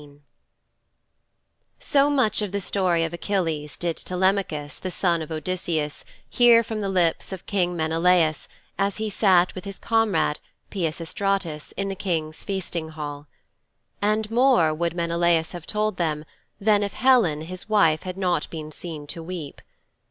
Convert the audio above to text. XVIII So much of the story of Achilles did Telemachus, the son of Odysseus, hear from the lips of King Menelaus as he sat with his comrade Peisistratus in the King's feasting hall. And more would Menelaus have told them then if Helen, his wife, had not been seen to weep.